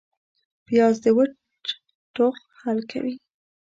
پیاز د وچ ټوخ حل کوي